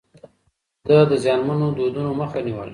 ده د زيانمنو دودونو مخه نيوله.